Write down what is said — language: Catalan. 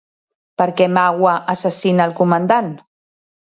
Per què Mawa assassina el comandant?